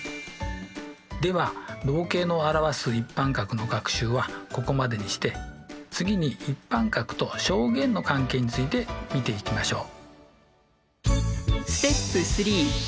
では動径の表す一般角の学習はここまでにして次に一般角と象限の関係について見ていきましょう。